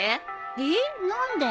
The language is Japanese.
えっ何で？